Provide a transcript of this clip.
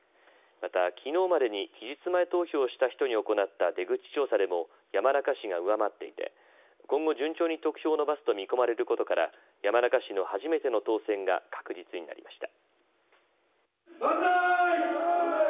また、きのうまでに期日前投票をした人に行った出口調査でも山中氏が上回っていて今後、順調に得票を伸ばすと見込まれることから山中氏の初めての当選が確実になりました。